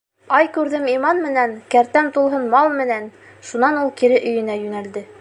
Ай күрҙем иман менән, кәртәм тулһын мал менән!- Шунан ул кире өйөнә йүнәлде.